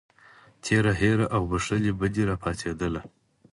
تېره هیره او بښلې بدي راپاڅېدله.